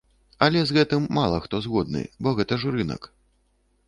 Але з гэтым мала хто згодны, бо гэта ж рынак.